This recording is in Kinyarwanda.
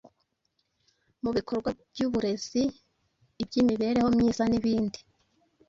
mu bikorwa by’uburezi, iby’imibereho myiza n’ibindi.